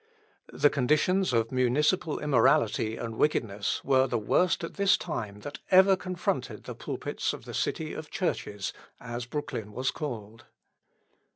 The conditions of municipal immorality and wickedness were the worst at this time that ever confronted the pulpits of the City of Churches, as Brooklyn was called.